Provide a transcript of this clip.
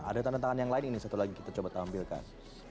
ada tanda tangan yang lain ini satu lagi kita coba tampilkan